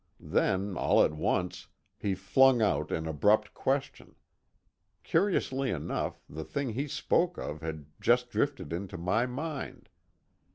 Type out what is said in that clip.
Then, all at once, he flung out an abrupt question. Curiously enough, the thing he spoke of had just drifted into my mind.